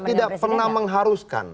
kita tidak pernah mengharuskan